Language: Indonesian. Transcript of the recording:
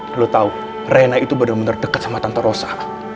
lo tau reina itu bener bener deket sama tante rosa